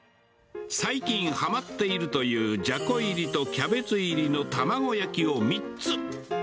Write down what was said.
最近はまっているというじゃこ入りとキャベツ入りの卵焼きを３つ。